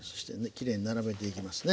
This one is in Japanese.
きれいに並べていきますね。